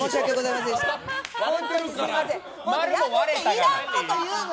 いらんこと言うな！